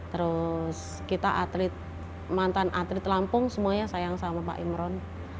terus kita atlet mantan atlet lampung semuanya sayang sama pak imron